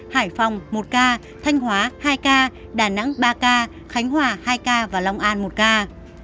hải phòng một ca thanh hóa hai ca đà nẵng ba ca khánh hòa hai ca và long an một ca